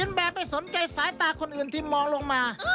แบบไม่สนใจสายตาคนอื่นที่มองลงมา